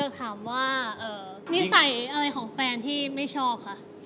ถามว่านิสัยอะไรของแฟนที่ไม่ชอบค่ะ